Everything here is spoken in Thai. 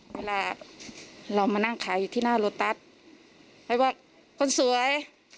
เวลาเรามานั่งขายอยู่ที่หน้าโลตัสไปว่าคนสวย